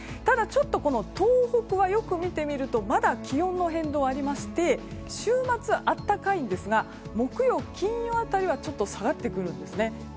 ただ、ちょっと東北はよく見てみるとまだ気温の変動はありまして週末、暖かいんですが木曜、金曜辺りは下がってくるんですね。